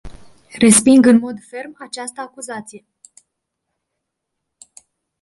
Resping în mod ferm această acuzație.